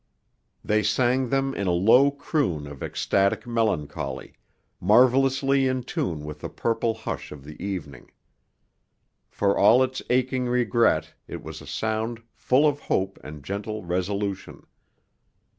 They sang them in a low croon of ecstatic melancholy, marvellously in tune with the purple hush of the evening. For all its aching regret it was a sound full of hope and gentle resolution.